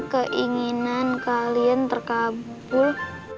keinginan kalian terkabul